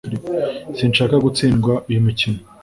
sinshaka gutsindwa uyu mukino.